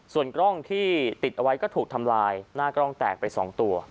ส่วนกล้องที่ติดเอาไว้ก็ถูกทำลายหน้ากล้องแตกไป๒ตัว